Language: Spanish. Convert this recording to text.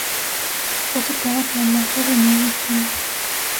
Fue aceptada como monja benedictina.